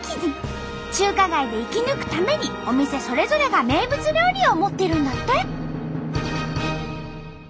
中華街で生き抜くためにお店それぞれが名物料理を持ってるんだって。